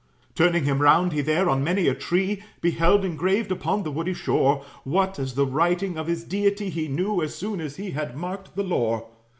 Turning him round, he there on many a tree Beheld engraved, upon the woody shore, What as the writing of his deity He knew, as soon as he had marked the lore.